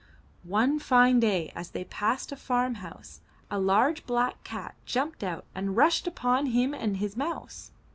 One fine day as they passed a farm house, a large black cat jumped out and rushed upon him and his mouse.